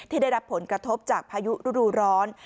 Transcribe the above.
ได้รับผลกระทบจากพายุฤดูร้อน